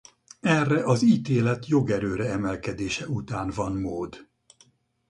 Erre az ítélet jogerőre emelkedése után van mód.